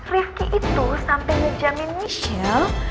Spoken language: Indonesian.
rifqi itu sampai ngejamin michelle